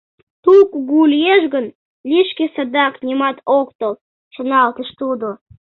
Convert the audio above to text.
«Тул кугу лиеш гын, лишке садак нимат ок тол», — шоналтыш тудо.